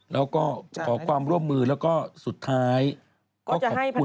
แล้วก็ขอความร่วมมือแล้วก็สุดท้ายก็ขอบคุณ